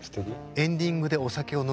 エンディングでお酒を飲む番組。